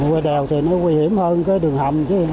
qua đèo thì nó nguy hiểm hơn cái đường hầm chứ không gì đâu